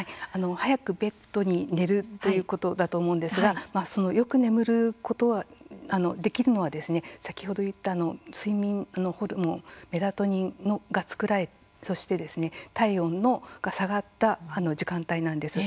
早くベッドに寝るということだと思うんですがよく眠ることができるのは先ほど言った睡眠ホルモンメラトニンが作られそして体温が下がった時間帯なんです。